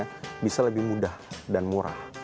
jadi kita bisa lebih mudah dan murah